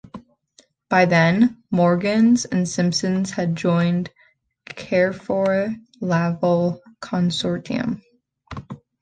By then, Morgan's and Simpson's had joined the Carrefour Laval consortium.